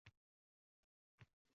Birdan meni ko‘rib qoldi